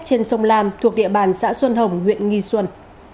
trên sông lam thuộc địa bàn xã xuân hồng huyện nghi xuân